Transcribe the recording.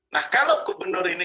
nah kalau gubernur ini